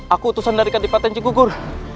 aku utusan dari ketipatan cikgu gur